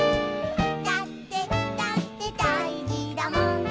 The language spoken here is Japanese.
「だってだってだいじだもん」